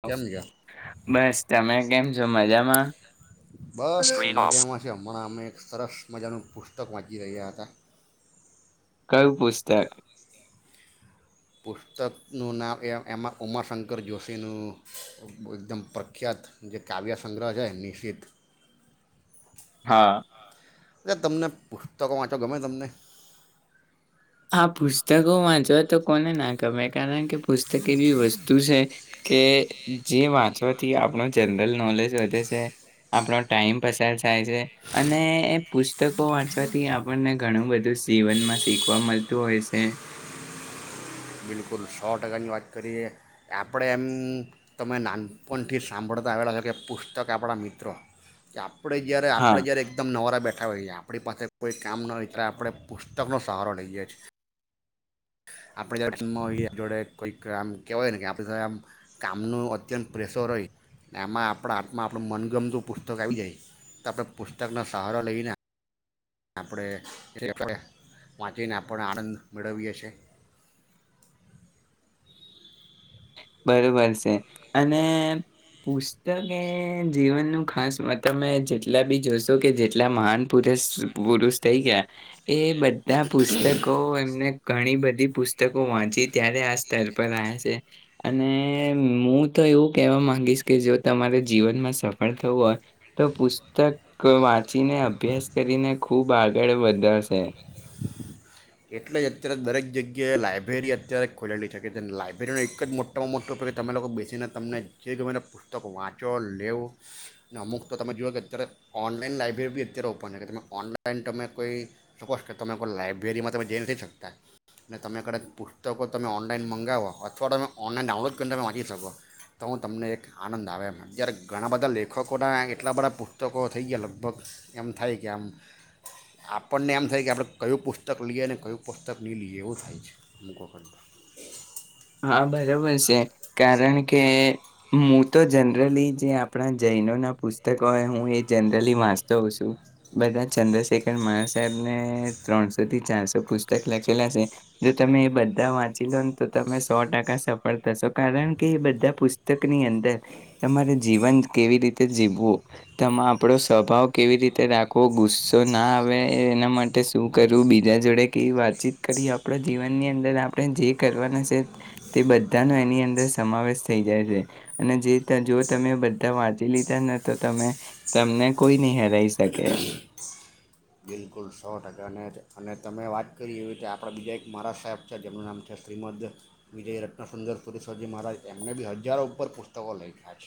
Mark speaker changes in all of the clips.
Speaker 1: કેમ છે
Speaker 2: બસ તમે કેમ છો મજામાં
Speaker 1: બસ મજામાં છે હમણાં અમે એક સરસ મજાનું પુસ્તક વાંચી રહ્યા હતા
Speaker 2: કયું પુસ્તક
Speaker 1: પુસ્તકનું નામ એ એમાં ઉમાશંકર જોશીનું એકદમ પ્રખ્યાત જે કાવ્ય સંગ્રહ છે નિશ્ચિત
Speaker 2: હા
Speaker 1: અ તમને પુસ્તકો વાંચો ગમે તમને
Speaker 2: હા પુસ્તકો વાંચવા તો કોને ના ગમે કારણ કે પુસ્તક એવીી વસ્તુ છે છે કે જેીમાં થી આપણો જનરલ નોલેજ વધે છે આપણો ટાઈમ પસાર થાય છે અને એ પુસ્તકો વાંચવાથી આપણને ઘણું બધું જીવનમાં શીખ જોવા મળતું હોય છે
Speaker 1: બિલકુલ સો ટકાની વાત કરીએ આપણે એમ તમે નાનપણથી સાંભળતા આવેલા છો કે પુસ્તક આપણા મિત્રો કે આપણે જય્યારે
Speaker 2: હા
Speaker 1: આપણે જ્યારે એકદમ નવારા બેઠા આપણી પાસે કોઈ કામ ન હોય ત્યારે આપણે પુસ્તકનોો સહારો લઈએ છીએ આપણે જ્યારેમ જોડે કોઈક આમ કહેવાય ને કે આપણે આમ કામનું અત્યંત પ્રેશર હોય એમાં આપણા હાથમાં આપણું મનગમત પુસ્તક આવી જાય તો આપણે પુસ્તકનો સહારા લઈને આપણે એ [unintelligible] વાંચીને આપણે આનંદ મેળવી છીએ
Speaker 2: બરોબર છે અને પુસ્તક એ જીવનનું ખાસમા તમે જેટલા બી જોશો કે જેટલા મહાન પુરષ પુરુષ થઈ ગયા એ બધા પુસ્તકો એમને ઘણી બધી પુસ્તકો વાંચી ત્યારે આ સ્તર પર આયા છે. અને મહુ તો એવું કહેવા માંગીશ કે જો તમારે જીવનમાં સફળ થવું હોય તો પુસ્તક વાંચીને અભ્યાસ કરીને ખૂબ આગળ વધાશે
Speaker 1: એટલે જ અત્યારે દરેક જગ્યાએ લાયબ્રેરી અત્યારે ખોલેલી છે કે લાયબ્રેરીનો એક જ મોટામાં મોટો કે તમે લોકો બેસીને તમને જે ગમે તે પુસ્તક વાંચો લેવો અને અમુક તો તમે જુઓ કે અત્યારે ઓનલાઈન લાયબ્રેરી બી અત્યારે ઓપન હોય કે તમે ઓનલાઈન તમે જોઈ શકો છો કે તમે કોઈ લાય રીમાં તમે જઈ નથી શકતા ને તમે કડાચ પુસ્તકો તમે ઓનલાઈન મંગાવો અથવા તો તમે ઓનલાઈન ડાઉનલોડ કરીને તમે વાંચી શકો તો હું તમને એક આનંદ આવે એમ જ્યારે ઘણા બધા લેખકોના એટલા બધા પુસ્તકો થઈ ગયા લગભગ એમ થાય કે આમ આપણને એમ થાય કે આપણે કયું પુસ્ત પુસ્તક લઈએ અને કયું પુસ્તક નઈ લઈએ એવું થાય છે અમુક વખત
Speaker 2: હા બરોબર છે. કારણ કે હું તો જનરલી જે આપણા જૈનોના પુસ્તક હોય હું એ જનરલી વાંચતો હોઉ છું બધા ચંદ્રશેખર મહારાજ સાહેબને ત્રણસોથી ચારસો પુસ્તક લખેલા છે જો તમે એ બધા વાંચી લો ને તો તમે સો ટકા સફળ થશો કારણ કે એ બધા પુસ્તકની અંદર તમારે જીવન કેવી રીતે જીવવું તેમા આપણો સ્વભાવ કેવી રીતે રાખવો ગુસ્સો ના આવે એના માટે શું કરવું બીજા જોડે કેવી વાતચીત કરી આપણા જીવનની અંદર આપણે જે કરવાના તે તે બધાનો એની અંદર સમાવેશ થઈ જાય છે અને જે તા જો તમે બધા વાંચી લીધા ને તો તમે તમને કોઈ નહી હરાવી શકે
Speaker 1: કુલ સો ટકાને અને તમે વાત કરી એવી રીતે આપણા બીજા એક મારા સાહેબ છે જેમનું નામ છે શ્રીમદ વિજય રત્નસુંદર સુરિશ્વરજી મહારાજ એમને બી હજારો ઉપર પુસ્તકો લખ્યા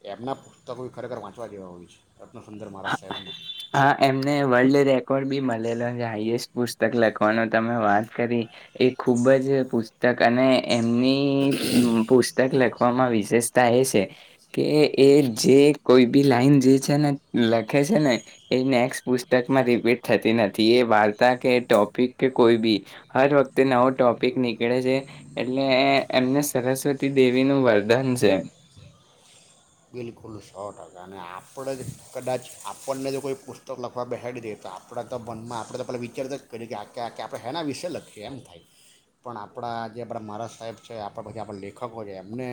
Speaker 1: છે એમના પુસ્તકો ય ખરેખર વાંચવા જેવા હોય છે. રત્નસુંદર મહારાજ સાહેબના
Speaker 2: હા એમને વર્લ્ડ રે કોડ પણ બી મલેલા છે હાઈએસ્ટ પુસ્તક લખવાનો તમે વાત કરી એ ખૂબ જ પુસ્તક અને એમની અમ પુસ્તક લખ આપવામાં વિશેષતા એ છે કે એ જે કોઈ બી લાઈન જે છે ને લખે છે ને એ નેક્સ્ટ પુસ્તકમાં રિપીટ થતી નથી એ વાર્તા કે ટોપિક કે કોઈ બી હર વખતે નવો ટોપિક નીકળે છે એટલે એમને સરસ્વતી દેવીનું વરદાન છે.
Speaker 1: બિલકુલ સો ટકા અને આપણે જ કદાચ આપણને જો કોઈ પુસ્તક લખવા બેહાડી દે તો આપણા તો મનમાં આપણે તો પહેલા વિચારતા જ કરીએ કે આ આ આપણે હેના વિશેે લખીએ એમ થાય પણ આપણા જે આપણા મારા સાહેબ છે આપણા પછી આપણા લેખકો છે એમને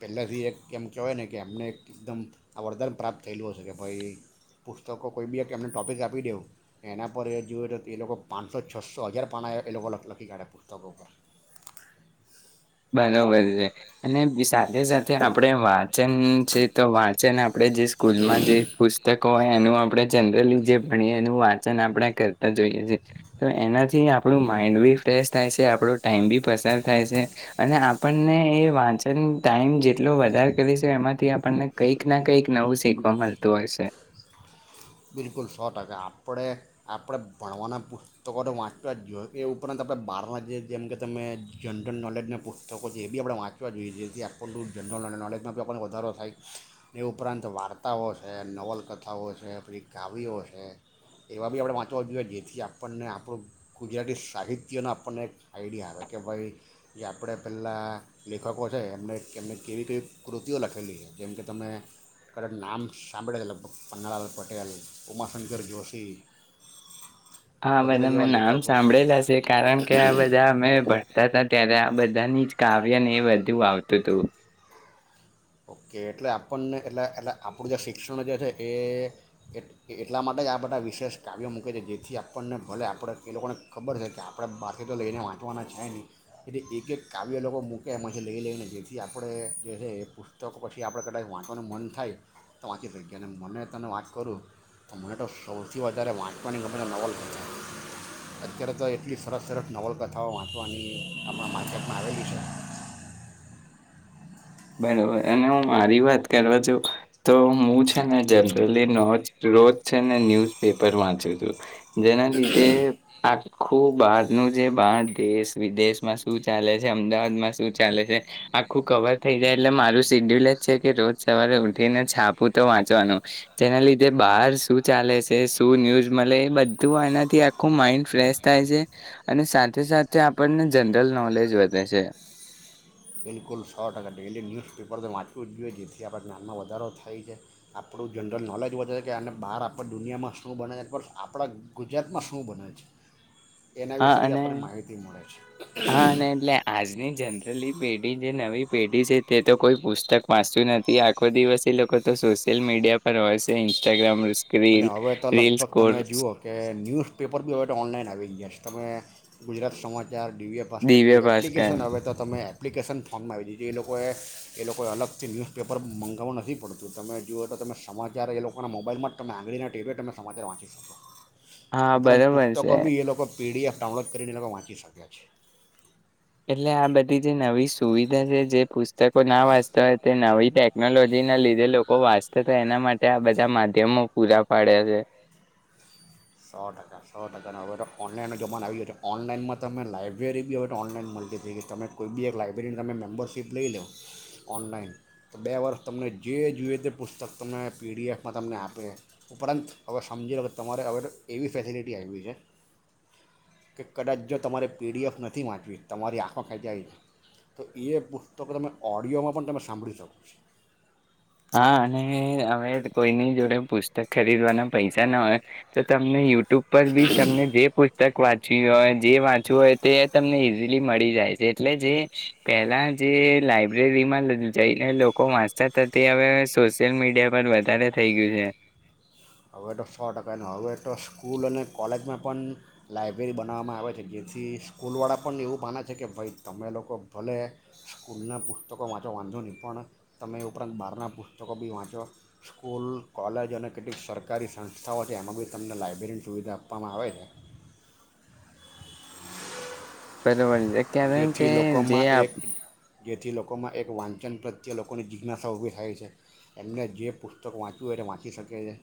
Speaker 1: પહેલેથી એક કેમ કહેવાય ને કે એમને એકદમ આ વરદાન પ્રાપ્ત થયેલું હશે કે ભાઈ પુસ્તકો કોઈ બી એક એમને ટોપિક આપી દેવ એના પર એ જોએ તો એ લોકો પાંચસો છસો હજાર પાના એ લોકો લખ લખી કાઢે પુસ્તકો ઉપર
Speaker 2: બરોબર છે અને સાથે સાથે આપડે વાત ચન છે તો વાંચન આપણે જે સ્કૂલમાં જે પુસ્તકો હોય એનું આ આપણે જનરલી જે ભણીએ એનું વાંચન આપણે કરતા જ હોઈએ છે તો એનાથી આપણું માઈન્ડ બી ફ્રેશ થાય છે આપણો ટાઈમ બી પસાર થાય છે. અને આપણને એ વાંચન ટાઈમ જેટલો વધારે કરીશું એમાંથી આપણને કંઈક ના કંઈક નવું શીખવા મલતું હશે
Speaker 1: બિલકુલ સો ટકા આપણે આપણે ભણવાનાં પુસ્તકોને વાંચવા જ જોઈએ એ ઉપરાંત આપણે બહારના જે જેમ કે તમે જનરલ નોલેજના પુસ્તકો છે એ બી આપણે વાંચવા જોઈએ જેથી આપણું જનરલ નોલેજમાં બી આપણને વધારો થાય એ ઉપરાંત વાર્તાઓ છે નવલકથાઓ છે આપણી કાવીઓ છે એવા બી આપણે વાંચવા જોઈએ જેથી આપણને આપણું ગુજરાતી સાહિત્યનો આપણને એક આઈડિયા આવે કે ભાઈ જે આપણે પહેલાં લેખકો છે એમને એમને કેવી કેવી કૃતિઓ લખેલી છે જેમ કે તમે કદાચ નામ સાંભળ્યા લગભગ પન્નાલાલ પટેલ ઉમાશંકર જોશી
Speaker 2: હા આ
Speaker 1: વગેરે
Speaker 2: બધા મે
Speaker 1: જેવા લેખકો
Speaker 2: નામ
Speaker 1: છે
Speaker 2: સાંભળેલા સે કારણ કે આ બધા અમે ભણતા હતા ત્યારે બધાની જ કાવ્યને એ વધુ આવતું હતું.
Speaker 1: ઓકે એટલે આપણને એટલે એટલે આપણું જે શિક્ષણ જે છે એ એટલા માટે જ આ બધા વિશેષ કાવ્યો મૂકે છે જેથી આપણને ભલે આપણે એ લોકોને ખબર છે કે આપણે બહારથી તો લઈને વાંચવાના છે નહીં એટલે એક એક કાવ્ય એ લોકો મૂકે એમાંથી લઈ લઈને જેથી આપણે જે છે એ પુ તકો પછી આપણે કદાચ વાંચવાનું મન થાય તો વાંચી શકીએ અને મને તને વાત કરું તો મને તો સૌથી વધારે વાંચવાની ગમે નવલકથા અત્યારે તો એટલી સરસ સરસ નવલકથાઓ વાંચવાની આપણા માર્કેટમાં આવેલી છે.
Speaker 2: બરોબર અને હું મારી વાત કરવા જઉં તો હું છે ને જનરલી નોજ રોજ છેને ન્યુઝ પેપર વાંચું છું. જેના લીધે આ ખુબ બહારનું જે બહાર દેશ વિદેશમાં શું ચાલે છે અમદાવાદમાં શું ચાલે છે આખું કવર થઈ જાય એટલે મારું શિડ્યુલ જ છે કે રોજ સવારે ઉઠીને છાપું તો વાંચવાનું જેના લીધે બહાર શું ચાલે છે શું ન્યૂઝ મલે એ બધું આનાથી આખું માઇન્ડ ફ્રેશ થાય છે અને સાથે સાથે આપણને જનરલ નોલેજ વધે છે.
Speaker 1: કુલ સો ટકા ડેઇલી ન્યૂઝપેપર તો વાંચવું જ જોઈએ જેથી આપણા જ્ઞાનમાં વધારો થાય છે આપણું જનરલ નોલેજ વધે છે કે આ અને બહાર આપણી દુનિયામાં શું બને છે પ્લસ આપણા ગુજરાતમાં શું બને છે. એના
Speaker 2: હા
Speaker 1: વિશેની
Speaker 2: અને
Speaker 1: આપણને માહિતી મળે છે
Speaker 2: હા અને એટલે આજની જનરલી પેઢી જે નવી પેઢી છે તે તો કોઈ પુસ્તક વાંચતું નથી આખો દિવસ એ લોકો તો સોશિયલ મીડિયા પર હોય છે ઇન્સ્ટાગ્રામ
Speaker 1: અને
Speaker 2: રીલ
Speaker 1: હવે તો
Speaker 2: રીલ્સ
Speaker 1: લગભગ તમે
Speaker 2: કોર્સ
Speaker 1: જુઓ કે ન્યૂઝપેપર બી હવે તો ઓનલાઈન આવી ગયા છે. તમે ગુજરાત સમાજ ચાર ડીવીય ભાસકર
Speaker 2: દિવ્ય
Speaker 1: જેવી
Speaker 2: ભાસ્કર
Speaker 1: એપ્લિકેશન આવે તો તમે એ એપ્લિકેશન ફોર્મમાં આવી દી છે એ લોકોએ એ લોકોએ અલગથી ન્યૂઝપેપર મંગાવવું નથી પડતું તમે જુઓ તો તમે સમાચાર એ લોકોના મોબાઈલમાં તમે આંગળીના ટીવીીઓ તમે સમાચાર વાંચી શકો
Speaker 2: હા
Speaker 1: ઉપરાંત
Speaker 2: બરોબર છે
Speaker 1: પુસ્તકો બી એ લોકો પીડીએફ ડાઉનલોડ કરીને લોકો લોકો વાંચી શક્યા છે
Speaker 2: એટલે આ બધી જે નવી સુવિધા છે જે પુસ્તકો ના વાંચતા હોય તે નવી ટેકનોલોજીના લીધે લોકો વાંચતા હતા એના માટે આ બધા માધ્યમો પૂરા પાડે છે
Speaker 1: સો ટકા સો ટકાનો હવે તો ઓનલાઈનનો જમાનો આવી ગયો છે ઓનલાઈનમાં તમે લાઇબ્રેરી બી હવે તો ઓનલાઈન મળતી થઈ ગઈ તમે કોઈ બી એક લાઇબ્રેરીની તમે મેમ્બરશીપ લઈ લ લો ઓનલાઈન તો બે વર્ષ તમને જે જોઈએ તે પુસ્તક તમે પીડીએફમાં તમને આપે ઉપરાંત હવે સમજી લો કે તમારે હવે એવી ફેસિલિટી આવી છે કે કદાચ જો તમારે પીડીએફ નથી વાંચવી તમારી આંખમાં ખેંચ્યા આવી છે તો એ પુસ્તકો તમે ઓડિયોમાં પણ તમે સાંભળી શકો છો
Speaker 2: હા અને હવે કોઈની જોડે પુસ્તક ખરીદવાના પૈસા ના હોય તો તમને યુ ઉપર બી તમને જે પુસ્તક વાંચવી હોય જે વાંચવું હોય તે તમને ઈઝીલી મળી જાય છે એટલે જે પેલા જે લાઈબ્રેરીમાં જઈને લોકો વાંચતા તે હવે સોશિયલ મીડિયા પર વધારે થઈ ગયું છે
Speaker 1: હવે તો સો ટકા ન હવે તો સ્કૂલ અને કોલેજમાં પણ લાયબ્રેરી બનાવવામાં આવે છે જેથી સ્કૂલવાળા પણ એવું માને છે કે ભાઈ તમે લોકો ભલે સ્કૂલનાં પુસ્તકો વાંચો વાંધો નહીં પણ તમે એ ઉપરાંત બહારના પુસ્તકો બી વાંચો સ્કૂલ કોલેજ અને કેટલીક સર સરકારી સંસ્થાઓ છે એમાં બ તમને લાયબ્રેરીની સુવિધા આપવામાં આવે છે
Speaker 2: બરોબર ક્યારે એ
Speaker 1: જેથી
Speaker 2: કે જે
Speaker 1: લોકોમાં એક જેથી લોકોમાં એક વાંચન પ્રત્યે લોકોની જિજ્ઞાસા ઊભી થાય છે એમને જે પુસ્તક વાંચવું હોય એ વાંચી શકે છે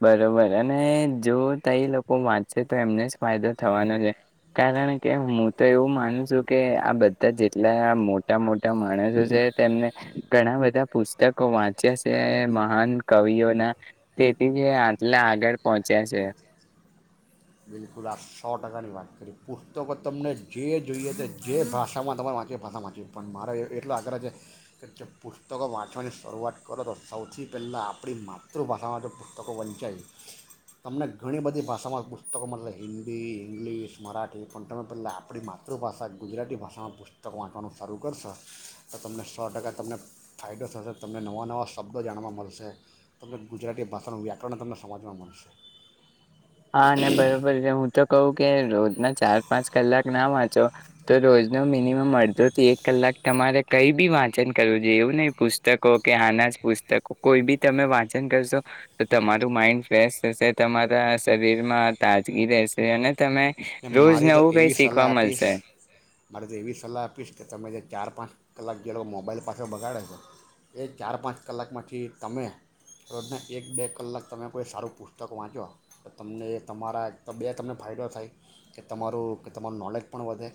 Speaker 2: બરોબર અને જો ત લોકો વાંચે તો એમને જ ફાયદો થવાનો છે કારણ કે હું તો એવું માનું છું કે આ બધા જેટલા મોટા મોટા માણસો છે તેમને ઘણા બધા પુસ્તકો વાંચ્યા છે મહાન કવિઓના આટલે આગળ પહોંચ્યા છે
Speaker 1: બિલકુલ આ સો ટકાની વાત કરીએ પુસ્તકો તમને જે જોઈએ તે જે ભાષામાં તમારે વાંચી ભાષામાં વાંચી પણ મારો એટલો આગ્રહ છે કે જે પુસ્તકો વાંચવાની શરૂઆત કરો તો સૌથી પહેલાં આપણી માતૃભાષામાં જો પુસ્તકો વંચાઈ તમને ઘણી બધી ભાષામાં પત તો કે મતલબ હિન્દી ઇંગ્લિશ મરાઠી પણ તમે પેલા આપણી માતૃભાષા ગુજરાતી ભાષામાં પુસ્તક વાંચવાનું શરૂ કરશો તો તમને સો ટકા તમને ફાયદો થશે તમને નવા નવા શબ્દો જાણવા મળશે તો ગુજરાતી ભાષાનું વ્યાકરણ તમને સમજવા મળશે
Speaker 2: હા અને બરોબર હું તો કહું કે ના ચાર પાંચ કલાક ના વાંચો તો રોજ ન મિનિમમ અડધોથી એક કલાક તમારે કઈ બી વાંચન કરવું જોઈએ એવું નહી પુસ્તકો કે આના જ પુસ્તકો કોઈ બી તમે વાંચન કરશો તો તમારું માઈન્ડ ફ્રેશ થશે તમારા શરીર માં તાજગી રહેશે અને તમે રોજ
Speaker 1: મારી તો
Speaker 2: નવું કઈ
Speaker 1: એવી સલાહ
Speaker 2: શીખવા
Speaker 1: આપીશ
Speaker 2: મળશે
Speaker 1: મારી તો એવી સલાહ આપીશ કે તમે જે ચાર પાંચ કલાક જે લોકો મોબાઈલ પાસે બગાડે છે એ ચાર પાંચ કલાકમાંથી તમે રોજના એક બે કલાક તમે કોઈ સારું પુસ્તક વાંચો તો તમને તમારા એક તો બે તમને ફાયદો થાય કે તમારું કે તમારું નૉલેજ પણ વધે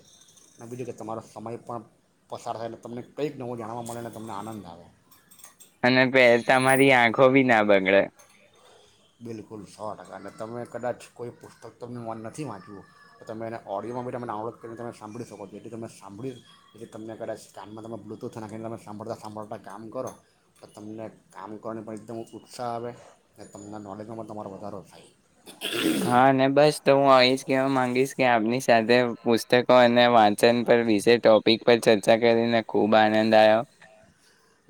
Speaker 1: અને બીજું કે તમારો સમય પણ પસાર થાય તમને કંઈક નવું જાણવા મળેને તમને આનંદ આવે
Speaker 2: અને પ તમારી આંખો બી ના બગડે
Speaker 1: બિલકુલ સો ટકા અને તમે કદાચ કોઈ પુસ્તક તમ નથી વાંચવું તો તમે એને ઓઑડિયોમાં બી તમે ડાઉનલોડ કરીને તમે સાંભળી શકો છો જેટથી તમે સાંભળી જે તમને કદાચ સ્ કાનમાં તમે બ્લુટૂથ નાખીને તમે સાંભળતા સાંભળતા કામ કરો તો તમને કામ કરવાની પણ એકદમ ઉત્સાહ આવે તમને નોલેજમાં તમારો વધારો થાય
Speaker 2: હા ને બસ તો હું એજ કેવા માંગીશ કે આપની સાથે પુસ્તકો અને વાંચન પર વિશે ટોપિક પર ચર્ચા કરીને ખુબ આનંદ આવ્યો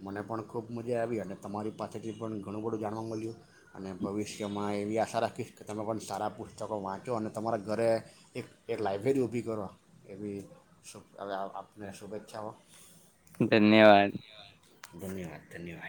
Speaker 1: મને પણ ખૂબ મજા આવી અને તમારી પાસેથી પણ ઘણું બધું જાણવા મળ્યું અને ભવિષ્યમાં એવી આશા રાખીશ કે તમે પણ સારા પુસ્તકો વાંચો અને તમારા ઘરે એક એક લઇબ્રેરી ઊભી કરો એવી આપને શુભેચ્છાઓ
Speaker 2: ધન્યવાદ
Speaker 1: ધન્યવાદ ધન્યવાદ